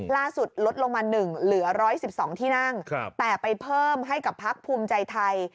ลดลงมา๑เหลือ๑๑๒ที่นั่งแต่ไปเพิ่มให้กับพักภูมิใจไทย